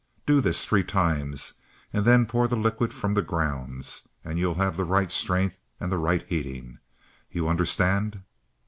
Do this three times, and then pour the liquid from the grounds and you have the right strength and the right heating. You understand?"